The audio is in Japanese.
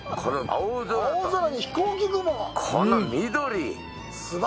青空に飛行機雲が！